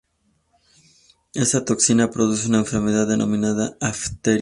Esta toxina produce una enfermedad denominada difteria.